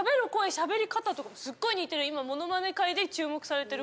喋り方とかもすっごい似てる